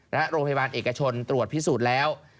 และโรงพยาบาลเอกชนตรวจพิสูจน์แล้ว